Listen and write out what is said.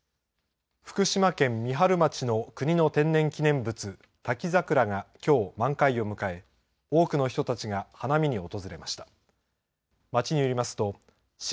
福島県三春町の国の天然記念物、滝桜がきょう満開を迎え多くの人たちが花見に訪れました。